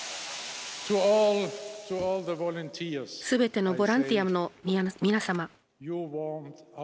すべてのボランティアの皆様。